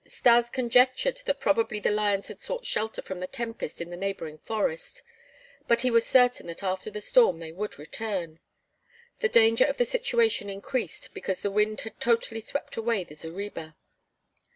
Stas conjectured that probably the lions had sought shelter from the tempest in the neighboring forest, but he was certain that after the storm they would return. The danger of the situation increased because the wind had totally swept away the zareba.